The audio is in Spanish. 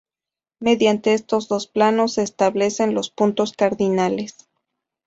Mediante estos dos planos se establecen los puntos cardinales.